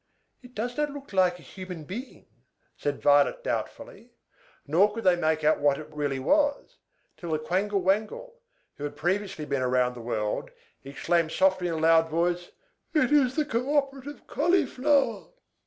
"It does not quite look like a human being," said Violet doubtfully; nor could they make out what it really was, till the Quangle Wangle (who had previously been round the world) exclaimed softly in a loud voice, "It is the co operative Cauliflower!"